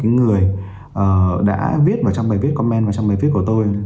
có một người đã viết vào trong bài viết comment trong bài viết của tôi